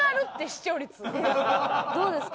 どうですか？